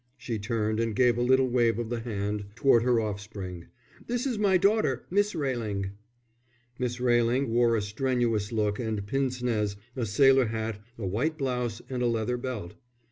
She turned and gave a little wave of the hand toward her offspring. "This is my daughter, Miss Railing." Miss Railing wore a strenuous look and pince nez, a sailor hat, a white blouse, and a leather belt.